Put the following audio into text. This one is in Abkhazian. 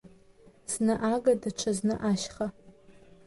Зны ага, даҽазны ашьха…